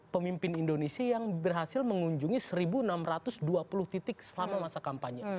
pemimpin indonesia yang berhasil mengunjungi satu enam ratus dua puluh titik selama masa kampanye